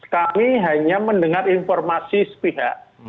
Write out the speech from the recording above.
kami hanya mendengar informasi sepihak